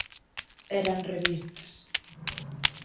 Eran revistas.